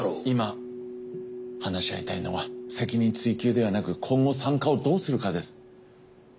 今話し合いたいのは責任追及ではなく今後産科をどうするかです。